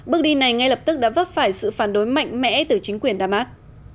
bước đi này ngay lập tức đã vấp phải sự phản đối mạnh mẽ từ chính quyền đam mát